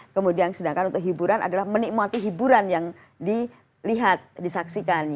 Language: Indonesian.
kemudian sedangkan untuk hiburan adalah menikmati hiburan yang dilihat disaksikan